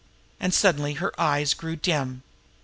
And suddenly her eyes grew dim.